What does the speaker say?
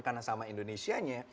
karena sama indonesia nya